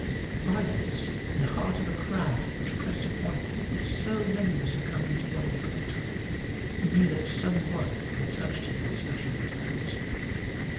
By this, in the heart of a crowd which pressed upon him so that many must have come into bodily contact with him, he knew that some one had touched him with special intent.